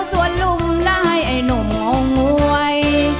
ส่วนลุมลายไอ้หนุ่มงงวย